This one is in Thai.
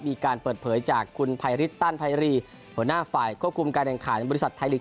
มีการเปิดเผยจากคุณภัยฤทตั้นไพรีหัวหน้าฝ่ายควบคุมการแข่งขันบริษัทไทยลีก